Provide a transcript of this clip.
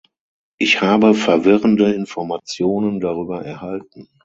Ich habe verwirrende Informationen darüber erhalten.